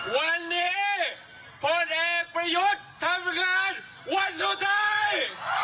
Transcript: วันนี้พลเอกประยุทธ์ทำงานวันสุดท้าย